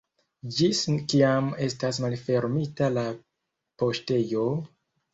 Ĝis kiam estas malfermita la poŝtejo?